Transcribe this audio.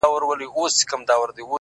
o ښه دی چي ونه درېد ښه دی چي روان ښه دی؛